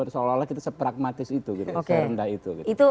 seolah olah kita sepragmatis itu gitu